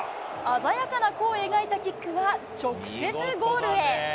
鮮やかな弧を描いたキックは、直接ゴールへ。